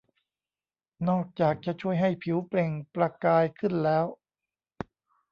นอกจากจะช่วยให้ผิวเปล่งประกายขึ้นแล้ว